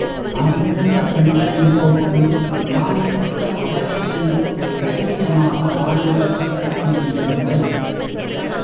அன்றிருந்த பெண்களின் போக்கு நானிருக்க அவனேன் என்று தைரியமாக ஆண்கள் கேட்கமுடியவில்லை.